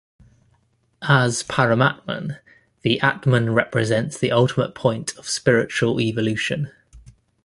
As Paramatman, the atman represents the ultimate point of spiritual evolution.